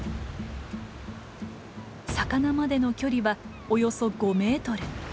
魚までの距離はおよそ５メートル。